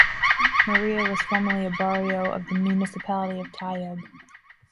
Maria was formerly a barrio of the municipality of Tayug.